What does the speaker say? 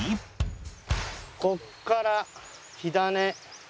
ここから火種。